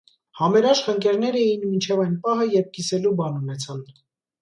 Համերաշխ ընկերներ էին մինչև այն պահը, երբ կիսելու բան ունեցան։